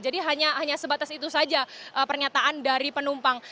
jadi hanya sebatas itu saja pernyataan dari penumpang